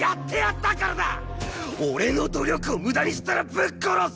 俺の努力を無駄にしたらぶっ殺す！